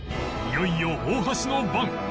いよいよ大橋の番